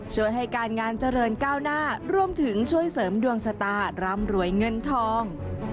ช่วยให้การงานเจริญก้าวหน้ารวมถึงช่วยเสริมดวงชะตารำรวยเงินทอง